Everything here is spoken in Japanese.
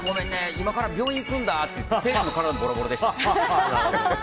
今から病院行くんだって店主の体もボロボロでした。